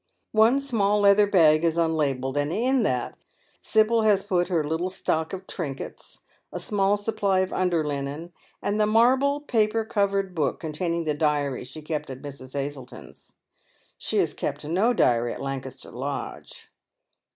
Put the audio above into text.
One small leather bag in nnlabelled, and in that Sibyl has put her little stook of trinkets, A small supply of under linen, and the marble paper covered book containing the diary she kept at Mrs. Hazleton's. She has kept no diary at Lancaster Lodge.